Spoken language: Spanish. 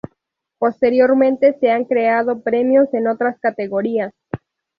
Posteriormente se han creado premios en otras categorías.